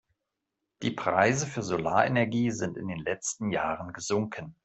Die Preise für Solarenergie sind in den letzten Jahren gesunken.